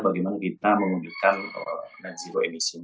bagaimana kita mengunjukkan net zero emission